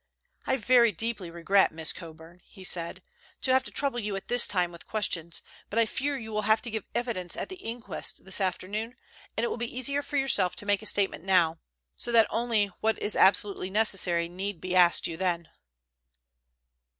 "I very deeply regret, Miss Coburn," he said, "to have to trouble you at this time with questions, but I fear you will have to give evidence at the inquest this afternoon, and it will be easier for yourself to make a statement now, so that only what is absolutely necessary need be asked you then."